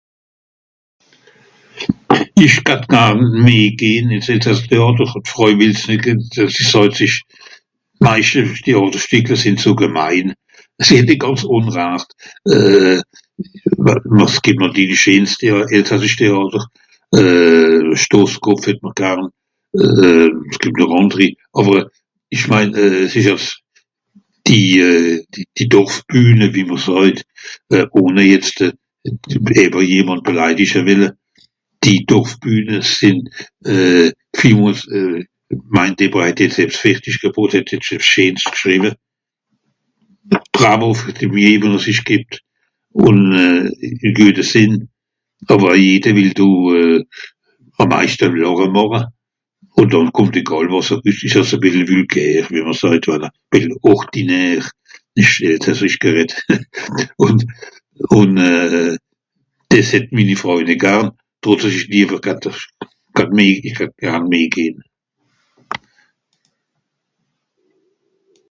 Ìch datt garn meh gehn ìn s'elsasser Teàter, d'Fràui wìll's nìt denn dàs es hàlt sich... meischtens d'Teàterstìckle sìnn zu gemein. Dìs het die gànz unracht. Euh... àwer es gìbt nàtirli scheens teà... elsassisch teàter... euh Stoskopf het-m'r garn, euh... (...) àndri, àwer, ìch mein euh... s'ìsch euh... die euh... die Dorfbühne wie mr sàjt, euh... ohne jetzt euh... ìmmer jemànd beleidische wìlle. Die Dorfbühne sìnn euh... (...) scheenscht gschriwe. Bravo fer die Mieih, wo m'r sich gìbt. Ùn euh... güete sìnn, àwer jeder wìll do euh... àm meischte làche màche, ùn dànn kùmmt egàl wàs, ìch sah's e bissel vulgaire, wie mr sajt, voilà. E bìssel ordinaire, ìsch nìt elsassisch gereddt. Und, ùn euh... dìs het mini Fràui nìt garn, trotz àss (...). Datt meh... ìch datt garn meh gen.